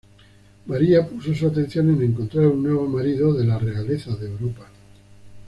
María puso su atención en encontrar un nuevo marido de la realeza de Europa.